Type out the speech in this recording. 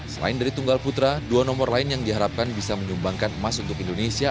selain dari tunggal putra dua nomor lain yang diharapkan bisa menyumbangkan emas untuk indonesia